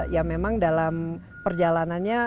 ya memang dalam perjalanannya